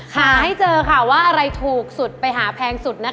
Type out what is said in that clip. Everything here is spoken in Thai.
หาให้เจอค่ะว่าอะไรถูกสุดไปหาแพงสุดนะคะ